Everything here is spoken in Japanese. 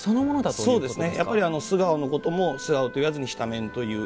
やっぱり、素顔のことも素顔と言わずに直面と言う。